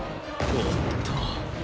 おっと。